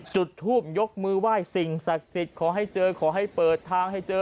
จุดทูปยกมือไหว้สิ่งศักดิ์สิทธิ์ขอให้เจอขอให้เปิดทางให้เจอ